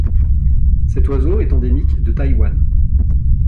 Cet oiseau est endémique de Taïwan.